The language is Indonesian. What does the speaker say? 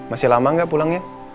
masih lama gak pulangnya